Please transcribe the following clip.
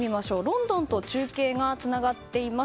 ロンドンと中継がつながっています。